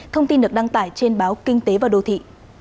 thông tin được đăng tải trên báo kinh tế và đô thị